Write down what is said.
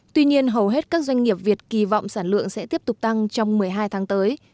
tuy nhiên hầu hết các doanh nghiệp việt kỳ vọng sản lượng sẽ tiếp tục tăng trong một mươi hai tháng tới